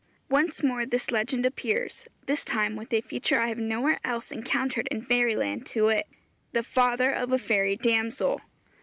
Once more this legend appears, this time with a feature I have nowhere else encountered in fairy land, to wit, the father of a fairy damsel.